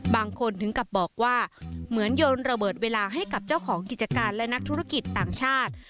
ถึงกับบอกว่าเหมือนโยนระเบิดเวลาให้กับเจ้าของกิจการและนักธุรกิจต่างชาติ